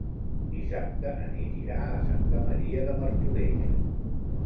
Dissabte na Nit irà a Santa Maria de Martorelles.